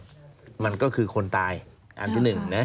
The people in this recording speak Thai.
หมั่นก็คือคนตายอันที่๑